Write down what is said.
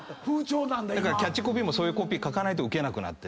キャッチコピーもそういうコピー書かないとウケなくなってる。